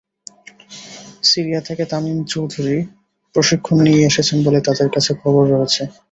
Syria থেকে তামিম চৌধুরী প্রশিক্ষণ নিয়ে এসেছেন বলে তাঁদের কাছে খবর রয়েছে।